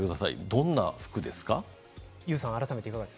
どんな服ですか？